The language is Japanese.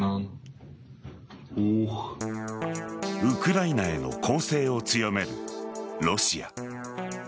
ウクライナへの攻勢を強めるロシア。